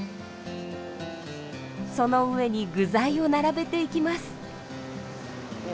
その上に具材を並べていきます。